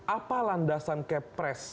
apa landasan kepres